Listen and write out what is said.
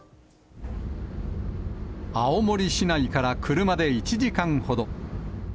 青森市内から車で１時間ほど。